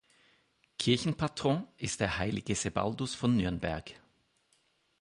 Kirchenpatron ist der heilige Sebaldus von Nürnberg.